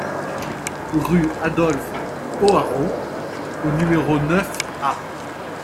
Rue Adolphe Hoareau au numéro neuf A